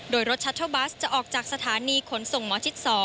โดยรถชัตเทิลบัสจะออกจากสถานีขนส่งหมอชิด๒